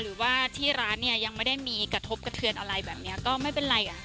หรือว่าที่ร้านเนี่ยยังไม่ได้มีกระทบกระเทือนอะไรแบบนี้ก็ไม่เป็นไรอ่ะ